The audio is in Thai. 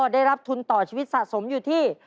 ได้รับทุนต่อชีวิตสะสมอยู่ที่